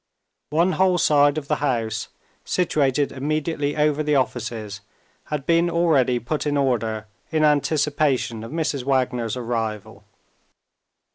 One whole side of the house, situated immediately over the offices, had been already put in order in anticipation of Mrs. Wagner's arrival.